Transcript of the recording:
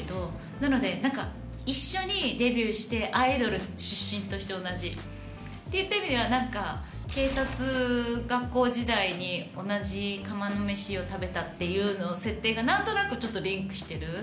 なので何か一緒にデビューしてアイドル出身として同じ。っていった意味では何か警察学校時代に同じ釜の飯を食べたっていう設定が何となくちょっとリンクしてる。